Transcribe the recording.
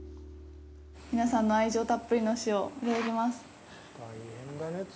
皆さんの愛情たっぷりの塩、いただきます。